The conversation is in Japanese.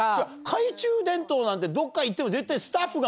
懐中電灯なんてどっか行っても絶対。